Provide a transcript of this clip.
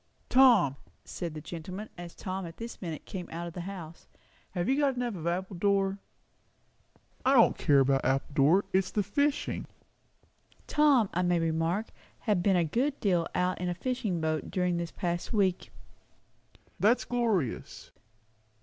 "Tom," said the gentleman, as Tom at this minute came out of the house, "have you got enough of Appledore?" "I don't care about Appledore. It's the fishing." Tom, I may remark, had been a good deal out in a fishing boat during this past week. "That's glorious."